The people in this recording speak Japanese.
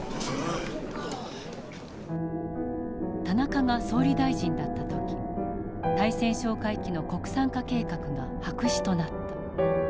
田中が総理大臣だった時対潜哨戒機の国産化計画が白紙となった。